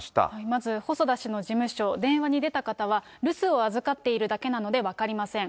まず細田氏の事務所、電話に出た方は、留守を預かっているだけなので、分かりません。